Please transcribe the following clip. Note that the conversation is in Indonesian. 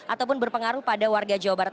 ataupun berpengaruh pada warga jawa barat